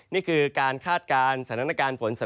นี่คือการคาดการณ์สถานการณ์ฝนสถานการณ์ปลายยุที่